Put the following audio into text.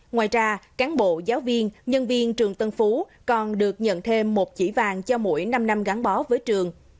ngoài ra cán bộ giáo viên nhân viên trường tân phú còn được nhận thêm một chỉ vàng cho mỗi năm năm gắn bó với trường